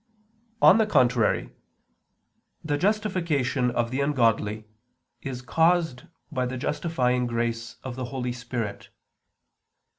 On the contrary, The justification of the ungodly is caused by the justifying grace of the Holy Spirit.